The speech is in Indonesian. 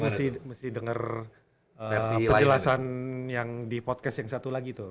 berarti mesti denger perjelasan yang di podcast yang satu lagi tuh